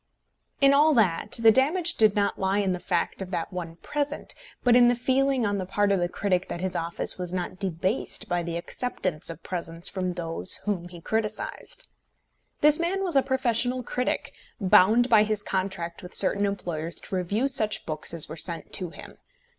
In all that the damage did not lie in the fact of that one present, but in the feeling on the part of the critic that his office was not debased by the acceptance of presents from those whom he criticised. This man was a professional critic, bound by his contract with certain employers to review such books as were sent to him.